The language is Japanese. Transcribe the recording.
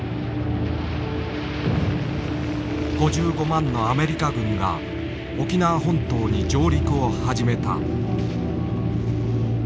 ５５万のアメリカ軍が沖縄本島に上陸を始めた。